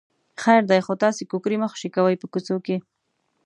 خیر دی خو تاسې کوکری مه خوشې کوئ په کوڅو کې.